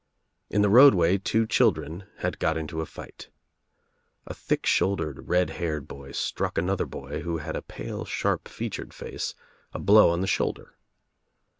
In the roadway two children had got Into a fight. A thick shouldered red haired boy struck another boy who had a pale sharp featured face, a blow on the shoulder.